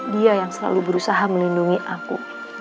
dia yang selalu berusaha melindungi aku